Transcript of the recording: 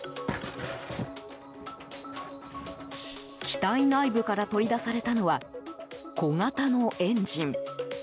機体内部から取り出されたのは小型のエンジン。